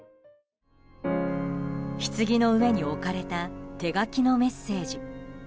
ひつぎの上に置かれた手書きのメッセージ。